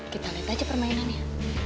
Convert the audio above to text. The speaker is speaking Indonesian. kita liat aja permainannya